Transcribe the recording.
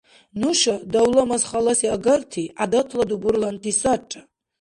Нуша давла-мас халаси агарти гӀядатла дубурланти сарра…